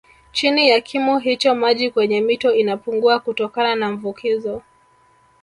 Chini ya kimo hicho maji kwenye mito inapungua kutokana na mvukizo